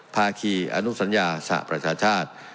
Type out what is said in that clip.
ภาคีอนุสัญญาสหประชาชาติ